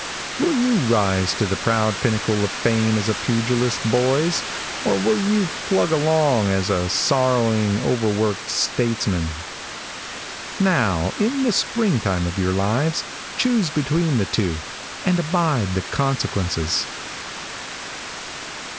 Will you rise to the proud pinnacle of fame as a pugilist, boys, or will you plug along as a sorrowing, overworked statesman? Now, in the spring time of your lives, choose between the two, and abide the consequences.